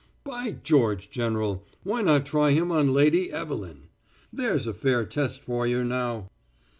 "By George, General, why not try him on Lady Evelyn? There's a fair test for you, now!"